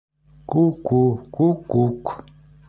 — Ку-ку-ку-кук!..